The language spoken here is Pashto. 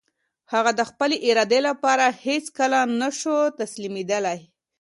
هغه د خپلې ارادې لپاره هېڅکله نه شو تسليمېدلی.